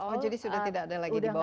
oh jadi sudah tidak ada lagi di bawah